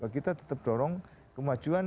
kita tetap dorong kemajuan